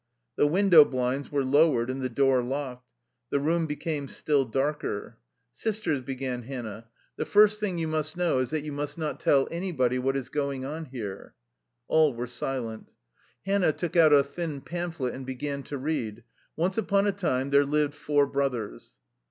The window blinds were lowered and the door locked. The room became still darker. " Sisters," began Hannah, " the first thing you 24 THE LIFE STOEY OF A KUSSIAN EXILE must know is that you must not tell anybody what is going on here." All were silent. Hannah took out a thin pamphlet and began to read :" Once upon a time there lived four brothers.